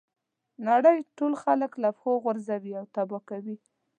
نړۍ ټول خلک له پښو غورځوي او تباه کوي.